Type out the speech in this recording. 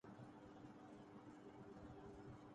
یہ انسان کو اوّ ل و آخر ایک مادی وجود قرار دیتے ہیں۔